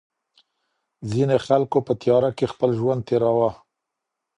ځينو خلګو په تېاره کي خپل ژوند تېراوه.